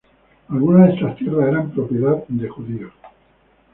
Algunas de estas tierras eran propiedad de judíos.